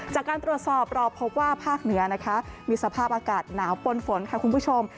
จากการตรวจสอบเราพบว่าภาคเหนือนะคะมีสภาพอากาศหนาวปนฝนค่ะคุณผู้ชม